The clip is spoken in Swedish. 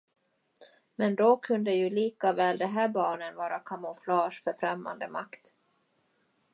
Men då kunde ju likaväl de här barnen vara kamouflage för främmande makt.